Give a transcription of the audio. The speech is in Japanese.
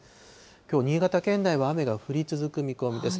きょう、新潟県内は雨が降り続く見込みです。